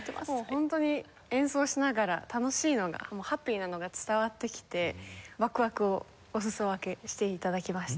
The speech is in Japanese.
ホントに演奏しながら楽しいのがハッピーなのが伝わってきてワクワクをお裾分けして頂きました。